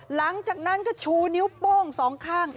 หลังจากนั้นก็ชูนิ้วโป้งสองข้าง